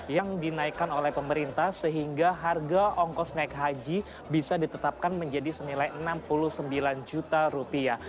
yang dinaikan oleh pemerintah sehingga harga ongkos naik haji bisa ditetapkan menjadi semilai rp enam puluh sembilan juta